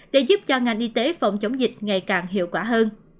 để giúp cho ngành y tế phòng chống dịch ngày càng hiệu quả hơn